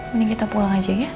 mending kita pulang aja ya